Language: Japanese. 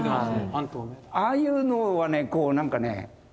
ああいうのはねなんかね